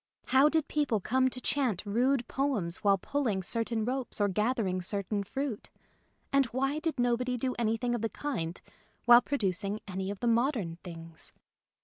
How did people come to chant rude poems while pulling certain ropes or gathering certain fruit, and why did nobody do anything of the kind while producing any of the modern things